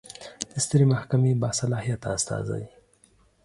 د سترې محکمې باصلاحیته استازی